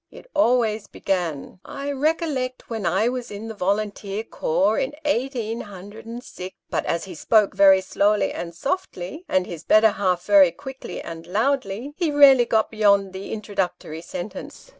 It always began, " I recollect when I was in the volunteer corps, in eighteen hundred and six," but, as he spoke very slowly and softly, and his better half very quickly and loudly, he rarely got beyond the intro ductory sentence.